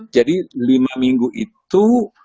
jadi lima minggu itu